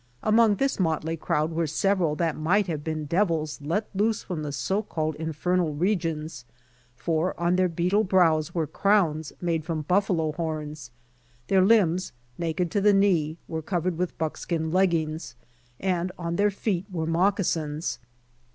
Among this motley crowd were several that might have been devils let loose from the so called infernal regions, for on their beetle brows were crowns made from buifalo horns, their limbs naked to the knee, were covered with buckskin leggings and on their feet were moccasins.